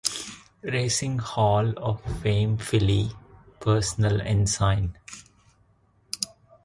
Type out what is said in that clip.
Racing Hall of Fame filly, Personal Ensign.